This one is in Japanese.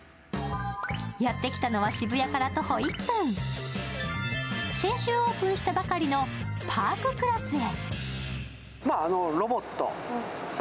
やってきたのは、渋谷から徒歩１分先週オープンしたばかりのＰＡＲＫ＋へ。